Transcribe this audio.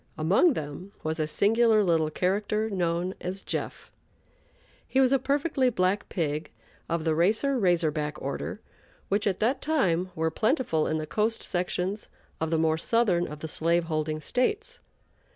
Among them was a singular little character, known as "Jeff." He was a perfectly black pig of the "Racer Razor Back" order, which, at that time, were plentiful in the coast sections of the more southern of the slave holding States.